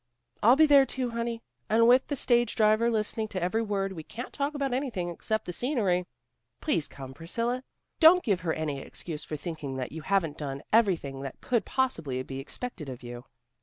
"I'll be there too, honey, and with the stage driver listening to every word, we can't talk about anything except the scenery. Please come, Priscilla. Don't give her any excuse for thinking that you haven't done everything that could possibly be expected of you."